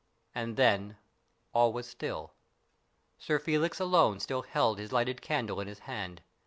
And then all was still. Sir Felix alone still held his lighted candle in his hand.